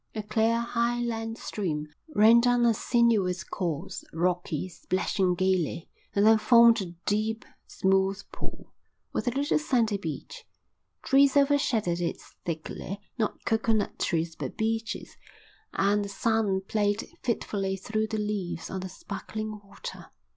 A clear highland stream ran down a sinuous course, rocky, splashing gaily, and then formed a deep, smooth pool, with a little sandy beach. Trees overshadowed it thickly, not coconut trees, but beeches, and the sun played fitfully through the leaves on the sparkling water.